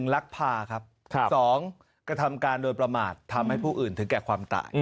ลักพาครับ๒กระทำการโดยประมาททำให้ผู้อื่นถึงแก่ความตาย